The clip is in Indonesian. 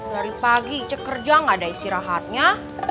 dari pagi saya kerja gak ada istirahatnya